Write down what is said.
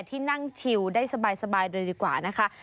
ที่นั่งชิวได้สบายเลยดีกว่านะคะ